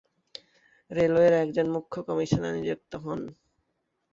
রেলওয়ের একজন মুখ্য কমিশনার নিযুক্ত হন।